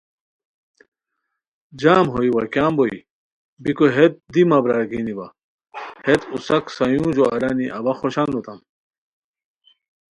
جام ہوئے وا کیان بوئے، بیکو ہیت دی مہ برارگینی وا ہیت اوساک سایورجو الانی اوا خوشان ہوتام